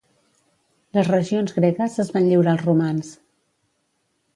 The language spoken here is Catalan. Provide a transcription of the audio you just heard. Les regions gregues es van lliurar als romans.